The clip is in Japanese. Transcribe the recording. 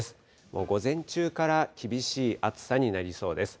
もう午前中から厳しい暑さになりそうです。